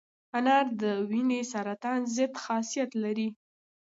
انار د وینې سرطان ضد خاصیت لري.